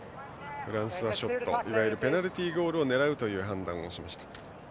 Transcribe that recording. フランスはショットいわゆるペナルティーゴールを狙うという判断をしました。